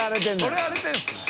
これ荒れてるんですね。